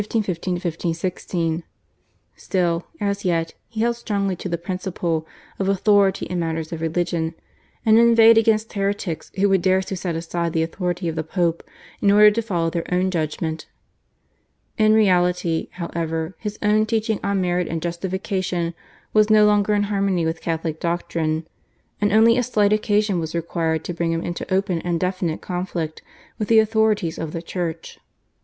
Still, as yet, he held strongly to the principle of authority in matters of religion, and inveighed against heretics who would dare to set aside the authority of the Pope in order to follow their own judgment. In reality, however, his own teaching on merit and justification was no longer in harmony with Catholic doctrine, and only a slight occasion was required to bring him into open and definite conflict with the authorities of the Church.